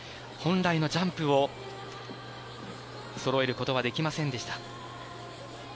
本来のジャンプをそろえることはできませんでした。